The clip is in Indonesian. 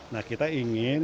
nah kita ingin